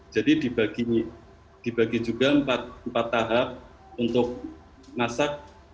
jadi dibagi juga empat tahap untuk masak